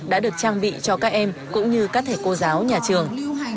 đã được trang bị cho các em cũng như các thầy cô giáo nhà trường